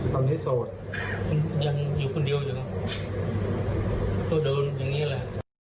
ตอนนี้โสดมันยังอยู่คนเดียวอยู่ก็โดนอย่างนี้แหละ